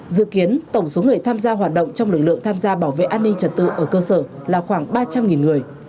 dự kiến tổng số người tham gia hoạt động trong lực lượng tham gia bảo vệ an ninh trật tự ở cơ sở là khoảng ba trăm linh người